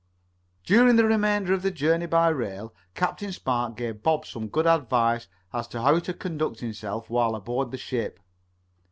During the remainder of the journey by rail Captain Spark gave Bob some good advice as to how to conduct himself while aboard the ship.